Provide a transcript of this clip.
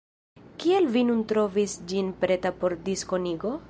Kial vi nun trovis ĝin preta por diskonigo?